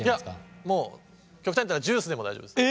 いやもう極端に言ったらジュースでも大丈夫です。